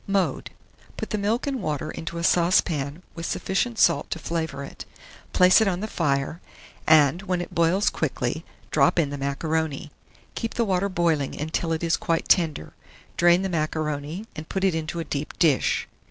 Mode. Put the milk and water into a saucepan with sufficient salt to flavour it; place it on the fire, and, when it boils quickly, drop in the macaroni. Keep the water boiling until it is quite tender; drain the macaroni, and put it into a deep dish.